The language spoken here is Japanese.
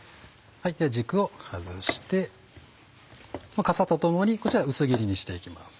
軸を外して傘とともにこちら薄切りにして行きます。